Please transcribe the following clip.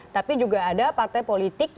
tapi juga ada partai politik